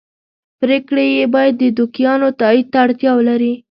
پرېکړې یې باید د دوکیانو تایید ته اړتیا ولري